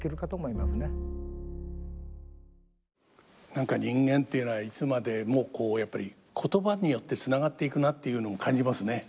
何か人間というのはいつまでもこうやっぱり言葉によってつながっていくなっていうのを感じますね。